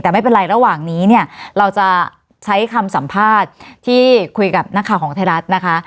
แต่ไม่เป็นไรระหว่างนี้เนี่ยเราจะใช้คำสัมภาษณ์ที่คุยกับนักข่าวของไทยรัฐนะคะ